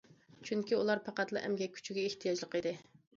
چۈنكى ئۇلار پەقەتلا ئەمگەك كۈچىگە ئېھتىياجلىق ئىدى.